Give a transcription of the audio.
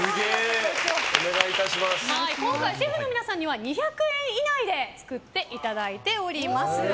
今回シェフの皆さんには２００円以内で作っていただいております。